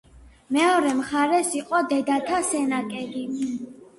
მეორე მხარეს იყო დედათა სენაკები.